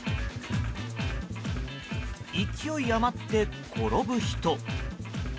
勢い余って転ぶ人。